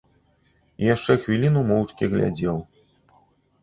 І яшчэ хвіліну моўчкі глядзеў.